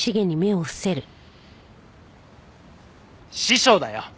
師匠だよ。